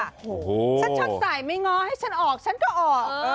โอ้โหฉันชอบใส่ไม่ง้อให้ฉันออกฉันก็ออก